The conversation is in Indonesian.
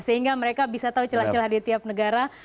sehingga mereka bisa tahu celah celah di tiap negara